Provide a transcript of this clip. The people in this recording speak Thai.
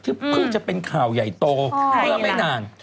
เพิ่งจะเป็นข่าวใหญ่โตเมื่อไม่นาน